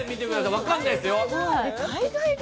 分かんないですよ。